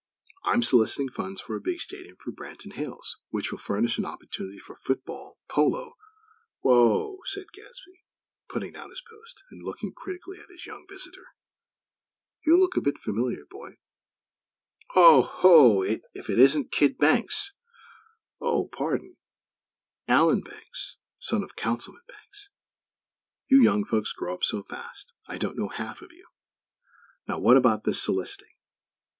I'm soliciting funds for a big stadium for Branton Hills, which will furnish an opportunity for football, polo, " "Whoa!" said Gadsby, putting down his "Post" and looking critically at his young visitor. "You look a bit familiar, boy. Oho! If it isn't kid Banks; oh, pardon! Allan Banks; son of Councilman Banks! You young folks grow up so fast I don't know half of you. Now what about this soliciting.